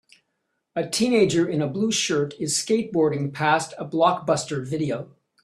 A teenager in a blue shirt is skateboarding past a Blockbuster video